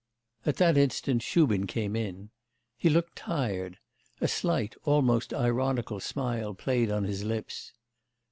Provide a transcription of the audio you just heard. At that instant Shubin came in. He looked tired. A slight almost ironical smile played on his lips.